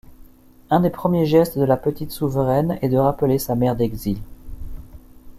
Un des premiers gestes de la petite souveraine est de rappeler sa mère d'exil.